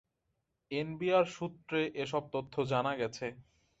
NBR সূত্রে এসব তথ্য জানা গেছে।